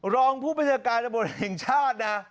รองผู้บริษัทการระบวนแห่งชาตินะ